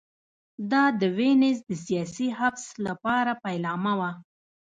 دا د وینز د سیاسي حبس لپاره پیلامه وه